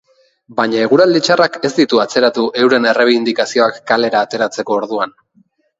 Baina eguraldi txarrak ez ditu atzeratu euren erreibindikazioak kalera ateratzeko orduan.